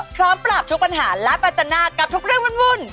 พร้อมปราบทุกปัญหาและประจันหน้ากับทุกเรื่องวุ่น